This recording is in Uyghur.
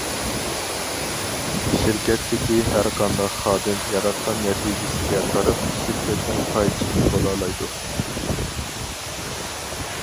شىركەتتىكى ھەرقانداق خادىم ياراتقان نەتىجىسىگە قاراپ، شىركەتنىڭ پايچىكى بولالايدۇ.